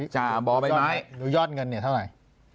จ่าบ่อยไม้เดี๋ยวยอดเงินเท่าไหน